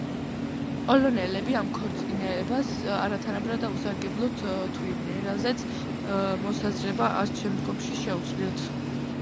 პოლონელები ამ ქორწინებას არათანაბრად და უსარგებლოდ თვლიდნენ, რაზეც მოსაზრება არც შემდგომში შეუცვლიათ.